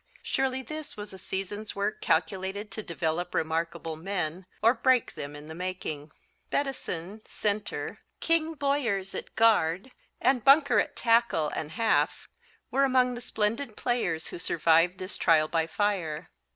Surely this was a season's work calculated to develop remarkable men, or break them in the making. Bettison, center, King Boyers at guard, and Bunker at tackle and half, were among the splendid players who survived this trial by fire.